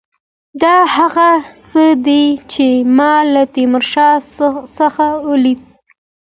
دا هغه څه دي چې ما له تیمورشاه څخه ولیدل.